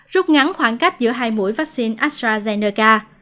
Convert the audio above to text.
rút ngắn khoảng cách giữa hai mũi vaccine astrazeneca